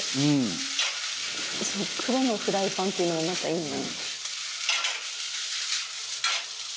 松本：黒のフライパンっていうのが、なんか、いいね。